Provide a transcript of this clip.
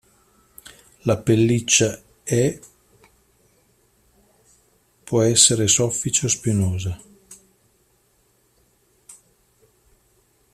La pelliccia è può essere soffice o spinosa.